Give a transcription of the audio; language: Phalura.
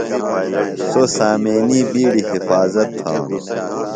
سوۡ سامینی بِیڈی حفاظت تھاُوۡ۔